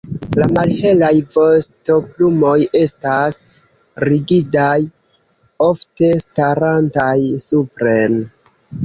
La malhelaj vostoplumoj estas rigidaj ofte starantaj supren.